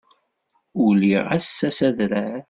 Uliɣ ass-a s adrar.